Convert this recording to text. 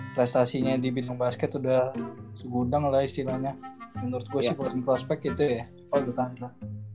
prestasinya di bidang basket udah segudang lah istilahnya menurut gue sih kalau prospek itu ya rivaldo tandra